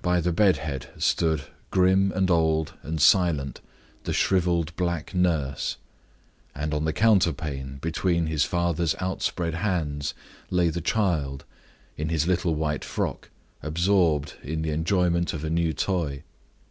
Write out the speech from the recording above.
By the bed head stood, grim, and old, and silent, the shriveled black nurse; and on the counter pane, between his father's outspread hands, lay the child, in his little white frock, absorbed in the enjoyment of a new toy.